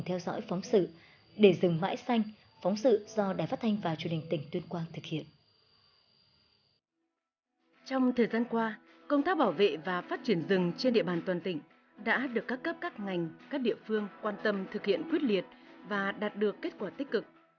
trong thời gian qua công tác bảo vệ và phát triển rừng trên địa bàn toàn tỉnh đã được các cấp các ngành các địa phương quan tâm thực hiện quyết liệt và đạt được kết quả tích cực